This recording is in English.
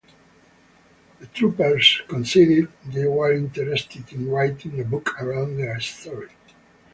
The troopers conceded they were interested in writing a book around their story.